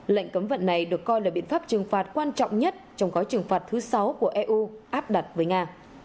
lệnh cấm vận này được coi là biện pháp trừng phạt quan trọng nhất trong gói trừng phạt thứ sáu của eu áp đặt với nga